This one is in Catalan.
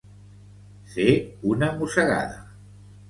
Fer una mossegada.